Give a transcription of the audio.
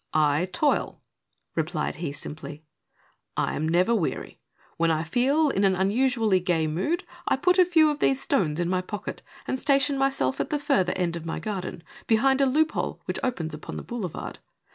" I toil," replied he, simply ;" I am never weary. When I feel in an unusually gay mood I put a few of these stones in my pocket and station myself at the further end of my garden, behind a loophole which opens upon the boulevard.